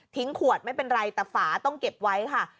ขวดไม่เป็นไรแต่ฝาต้องเก็บไว้ค่ะ